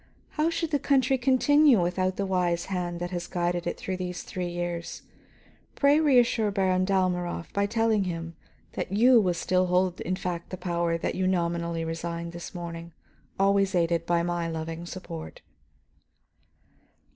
How should the country continue without the wise hand that has guided it through these three years? Pray reassure Baron Dalmorov by telling him that you will still hold in fact the power that nominally you resigned this morning, always aided by my loving support."